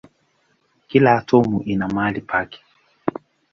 Kila atomu ina mahali pake.